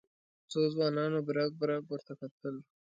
څو ځوانانو برګ برګ ورته کتل.